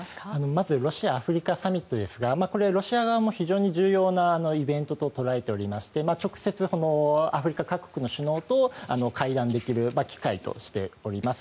まずロシア・アフリカサミットですがこれはロシア側も非常に重要なイベントと捉えておりまして直接、アフリカ各国の首脳と会談できる機会としております。